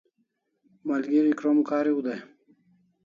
Malgeri krom kariu dai